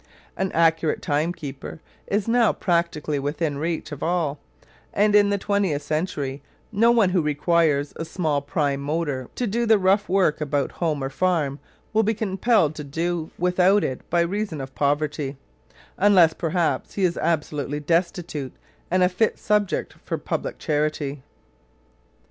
An accurate timekeeper is now practically within the reach of all; and in the twentieth century no one who requires a small prime motor to do the rough work about home or farm will be compelled to do without it by reason of poverty unless, perhaps, he is absolutely destitute and a fit subject for public charity.